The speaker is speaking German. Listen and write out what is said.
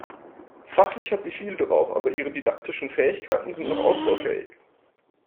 Fachlich hat sie viel drauf, aber ihre Didaktischen Fähigkeiten sind noch ausbaufähig.